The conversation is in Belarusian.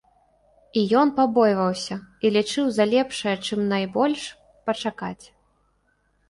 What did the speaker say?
І ён пабойваўся і лічыў за лепшае чым найбольш пачакаць.